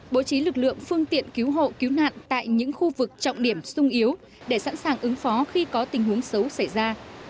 bố trí lực lượng phương tiện cứu hộ cứu nạn tại những khu vực trọng điểm sung yếu để sẵn sàng ứng phó khi có tình huống xấu xảy ra